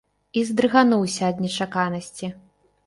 І здрыгануўся ад нечаканасці.